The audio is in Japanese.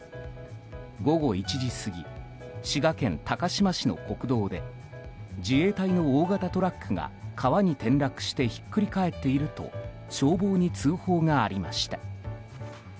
午後１時過ぎ滋賀県高島市の国道で自衛隊の大型トラックが川に転落してひっくり返っていると消防に通報がありました。